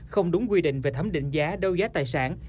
không đúng quy định về thấm định giá đôi giá tài sản